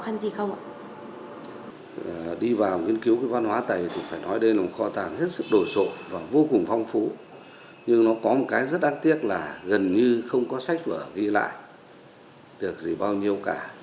nhưng nó có một cái rất đáng tiếc là gần như không có sách vở ghi lại được gì bao nhiêu cả